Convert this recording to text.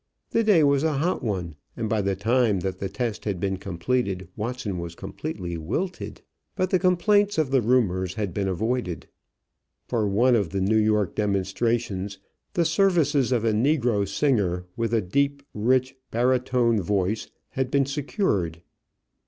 The day was a hot one, and by the time that the test had been completed Watson was completely wilted. But the complaints of the roomers had been avoided. For one of the New York demonstrations the services of a negro singer with a rich barytone voice had been secured.